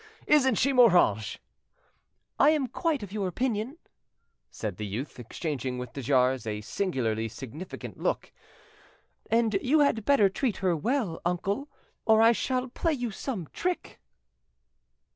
Isn't she, Moranges?" "I'm quite of your opinion," said the youth; exchanging with de jars a singularly significant look; "and you had better treat her well, uncle, or I shall play you some trick."